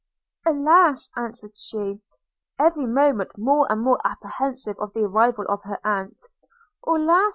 'Alas!' answered she, every moment more and more apprehensive of the arrival of her aunt, 'alas!